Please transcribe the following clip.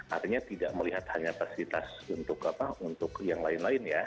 artinya tidak melihat hanya fasilitas untuk yang lain lain ya